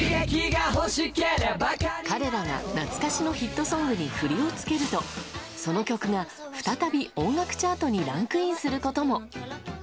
彼らが懐かしのヒットソングに振りを付けるとその曲が再び音楽チャートにランクインすることも。